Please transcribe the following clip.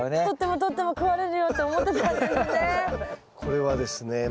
捕っても捕っても食われるよって思ってたんですね。